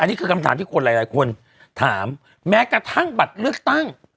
นี่คือคำถามที่คนหลายคนถามแม้กระทั่งบัตรเลือกตั้ง